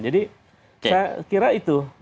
jadi saya kira itu